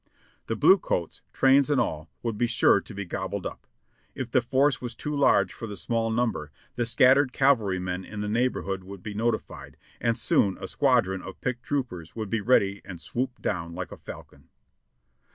The blue coats, trains and all, would be sure to be gobbled up. If the force was too large for the small number, the scattered cavalrymen in the neighborhood would be notified, and soon a squadron of picked troopers would be ready and swoop down like a falcon.